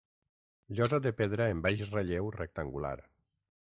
Llosa de pedra en baix relleu rectangular.